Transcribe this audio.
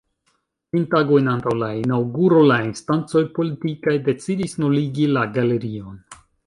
Kvin tagojn antaŭ la inaŭguro la instancoj politikaj decidis nuligi la galerion.